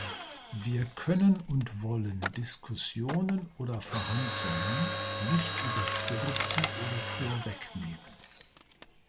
Wir können und wollen Diskussionen oder Verhandlungen nicht überstürzen oder vorwegnehmen.